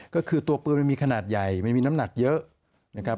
ก็คือตัวปืนมันมีขนาดใหญ่มันมีน้ำหนักเยอะนะครับ